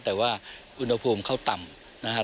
แต่ว่าอุณหภูมิเขาต่ำ